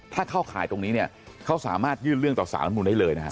ถ้าเข้าข่ายตรงนี้เนี่ยเขาสามารถยื่นเรื่องต่อสารรัฐมนุนได้เลยนะฮะ